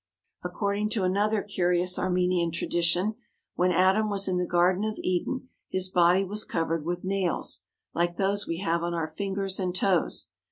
According to another curious Armenian tradition, when Adam was in the Garden of Eden his body was covered with nails, like those we have on our fingers and toes.